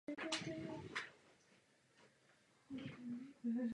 O rok později startoval pouze třikrát.